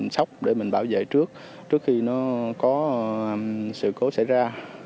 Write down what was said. sốc để mình bảo vệ trước trước khi nó có sự cố xảy ra